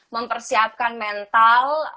mempersiapkan mental warga jawa barat juga